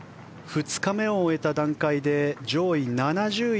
２日目を終えた段階で上位７０位